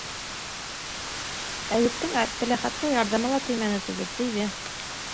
Әйүптең Әптеләхәткә ярҙамы ла теймәне түгел, тейҙе.